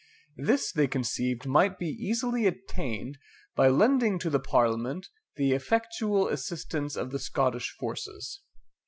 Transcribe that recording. This they conceived might be easily attained by lending to the Parliament the effectual assistance of the Scottish forces.